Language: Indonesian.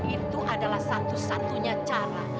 itu adalah satu satunya cara